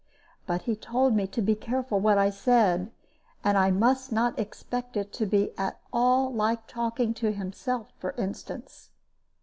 But he told me to be careful what I said; I must not expect it to be at all like talking to himself, for instance.